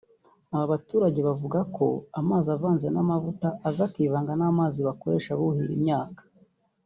Aba baturage bavuga ko amazi avanze n’amavuta aza akivanga n’amazi bakoresha buhira imyaka